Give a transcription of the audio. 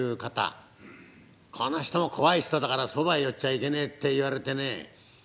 この人も「怖い人だからそばへ寄っちゃいけねえ」って言われてね。